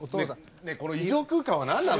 この異常空間は何なの？